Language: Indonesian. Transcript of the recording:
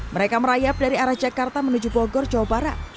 mereka merayap dari arah jakarta menuju bogor jawa barat